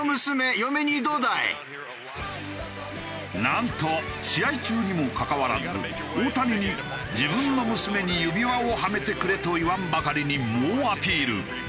なんと試合中にもかかわらず大谷に自分の娘に指輪をはめてくれと言わんばかりに猛アピール。